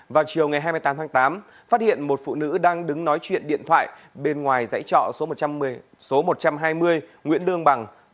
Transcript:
vào chiều ngày hai mươi tám tháng tám phát hiện một phụ nữ đang đứng nói chuyện điện thoại bên ngoài dãy trọ số một trăm hai mươi nguyễn lương bằng